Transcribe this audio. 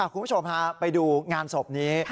คุณผู้ชมฮะไปดูงานศพนี้